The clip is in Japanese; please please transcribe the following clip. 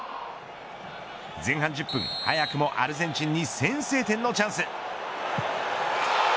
前半１０分、早くもアルゼンチンに先制点のチャンス。